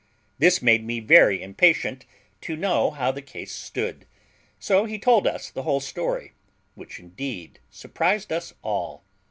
This made me very impatient to know how the case stood; so he told us the whole story, which indeed surprised us all.